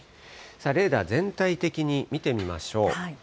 レーダー全体的に見てみましょう。